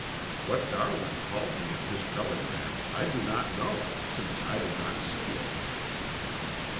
What Darwin called me in his telegram I do not know, since I did not see it."